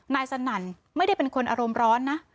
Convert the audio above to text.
สนั่นไม่ได้เป็นคนอารมณ์ร้อนนะ